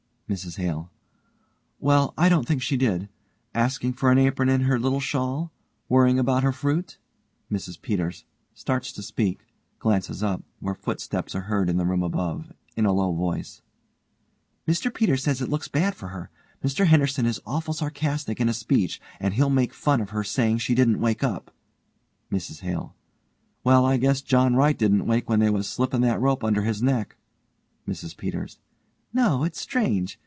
MRS HALE: Well, I don't think she did. Asking for an apron and her little shawl. Worrying about her fruit. MRS PETERS: (starts to speak, glances up, where footsteps are heard in the room above. In a low voice) Mr Peters says it looks bad for her. Mr Henderson is awful sarcastic in a speech and he'll make fun of her sayin' she didn't wake up. MRS HALE: Well, I guess John Wright didn't wake when they was slipping that rope under his neck. MRS PETERS: No, it's strange.